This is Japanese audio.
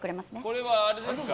これはあれですか？